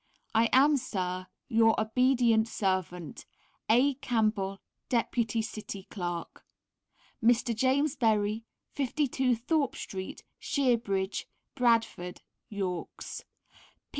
I am, Sir, Your obedient servant, A CAMPBELL, Deputy City Clerk. Mr. James Berry, 52, Thorpe Street, Shearbridge, Bradford, Yorks.